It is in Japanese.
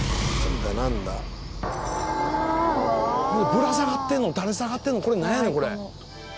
ぶら下がってるの垂れ下がってるの何やねんこれ。